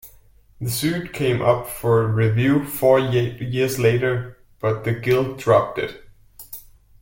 The suit came up for review four years later, but the Guild dropped it.